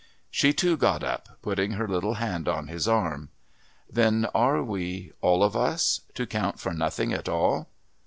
She too got up, putting her little hand on his arm. "Then are we, all of us, to count for nothing at all?"